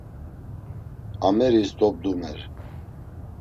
Ameris dobdumer.